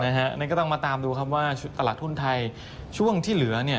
อะฮะนี้ก็ต้องมาตามเนอะครับว่าตลาดทุนไทยช่วงที่เหลือเนี่ย